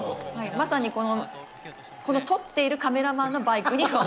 まさにこの撮っているカメラマンのバイクに。